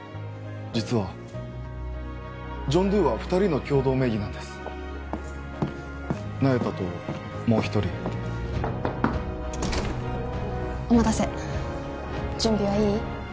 実はジョン・ドゥは２人の共同名義なんです那由他ともう一人お待たせ準備はいい？